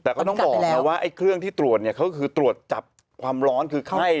แต่ก็ต้องบอกนะว่าไอ้เครื่องที่ตรวจเนี่ยเขาก็คือตรวจจับความร้อนคือไข้